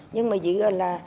nhưng mà giữ được là